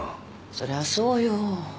そりゃそうよ。